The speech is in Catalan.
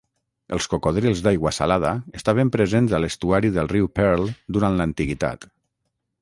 Els cocodrils d'aigua salada estaven presents a l'estuari del riu Pearl durant l'antiguitat.